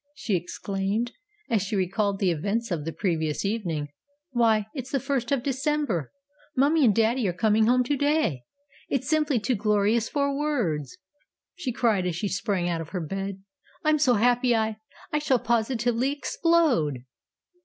she exclaimed, as she recalled the events of the previous evening, "why, it's the First of December! Mummie and Daddy are coming home to day! It's simply too glorious for words!" she cried, as she sprang out of her bed. "I'm so happy I I shall positively explode!"